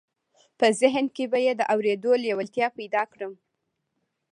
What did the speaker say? په ذهن کې به یې د اورېدو لېوالتیا پیدا کړم